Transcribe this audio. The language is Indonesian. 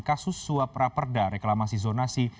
kasus sua praperda reklamasi zonasi